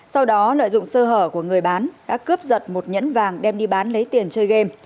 sau đó lợi dụng sơ hở của người bán đã cướp giật một nhẫn vàng đem đi bán lấy tiền chơi game